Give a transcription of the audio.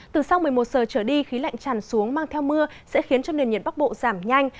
từ sau một mươi một giờ trở đi khí lạnh tràn xuống mang theo mưa sẽ khiến cho nền nhiệt bắc bộ giảm nhanh